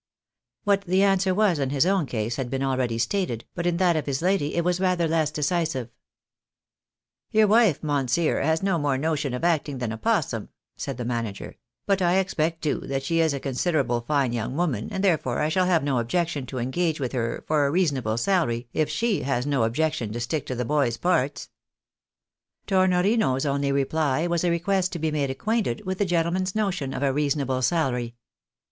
What the answer was in his own case has been already stated, but in that of his lady it was rather less decisive. Q 258 THE bAHKAIiVo ir« ameKICA. " Your wife, monseer, has no more notion of acting than a possum," said the manager ;" but I expect, too, tliat she is a con siderable fine young woman, and therefore I shall have no objection to engage with her for a reasonable salary, if she has no objection to stick to the boys' parts." Tornorino's only reply was a request to be made acquainted with the gentleman's notion of a reasonable salary.